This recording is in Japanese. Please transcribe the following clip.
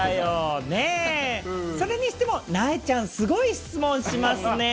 それにしても、なえちゃんすごい質問しますね。